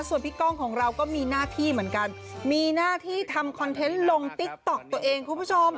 ส่วนพี่ก้องของเราก็มีหน้าที่เหมือนกันมีหน้าที่ทำคอนเทนต์ลงติ๊กต๊อกตัวเองคุณผู้ชม